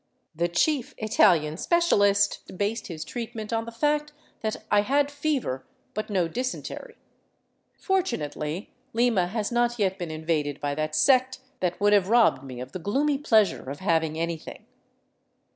The chief Italian spe cialist based his treatment on the fact that I had fever, but no dysentery. Fortunately Lima has not yet been invaded by that sect that would have robbed me of the gloomy pleasure of having anything.